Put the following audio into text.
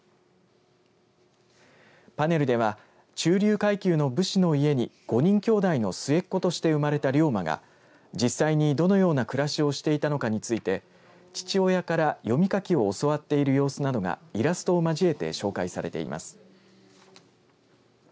パネルでは中流階級の武士の家に５人兄弟の末っ子として生まれた龍馬が実際に、どのような暮らしをしていたのかについて父親から読み書きを教わっている様子などがイラストを交えて紹介されています。